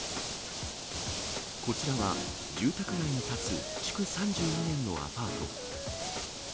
こちらは住宅街に建つ築３２年のアパート。